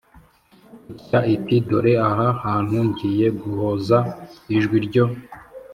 itya iti Dore aha hantu ngiye guhoza ijwi ryo